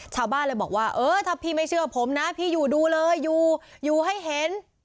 ชาวบ้านเลยบอกว่าเออถ้าพี่ไม่เชื่อผมนะพี่อยู่ดูเลยอยู่อยู่ให้เห็น